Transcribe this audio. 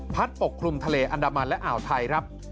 ปกคลุมทะเลอันดามันและอ่าวไทยครับ